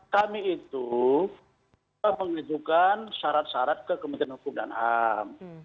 kami itu mengajukan syarat syarat ke kementerian hukum dan ham